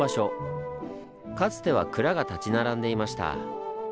かつては蔵が立ち並んでいました。